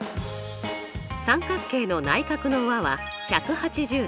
三角形の内角の和は１８０°。